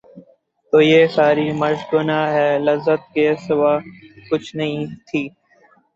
تو یہ ساری مشق گناہ بے لذت کے سوا کچھ نہیں تھی۔